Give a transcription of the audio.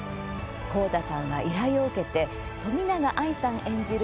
ＫＯＨＴＡさんは依頼を受けて冨永愛さん演じる